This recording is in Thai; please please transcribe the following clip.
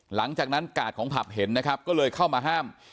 หลังจากนั้นกาดของผับเห็นนะครับก็เลยเข้ามาห้าม